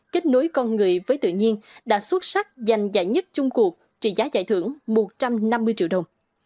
kết nối con người với tự nhiên đã xuất sắc giành giải nhất chung cuộc trị giá giải thưởng một trăm năm mươi triệu đồng